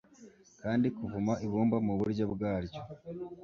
Kandi kuvuma ibumba muburyo bwaryo